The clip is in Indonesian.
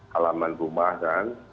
halaman rumah kan